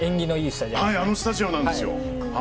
あのスタジアムなんですよ。